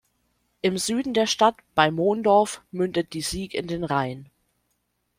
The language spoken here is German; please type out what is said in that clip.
Im Süden der Stadt, bei Mondorf, mündet die Sieg in den Rhein.